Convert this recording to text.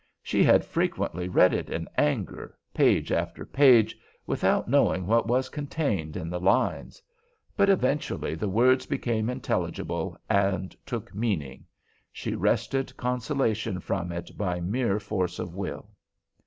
She had frequently read it in anger, page after page, without knowing what was contained in the lines. But eventually the words became intelligible and took meaning. She wrested consolation from it by mere force of will.